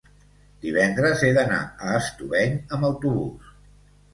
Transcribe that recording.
Divendres he d'anar a Estubeny amb autobús.